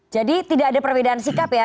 jadi tidak ada perbedaan sikap ya